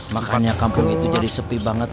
makanya kampung itu jadi sepi banget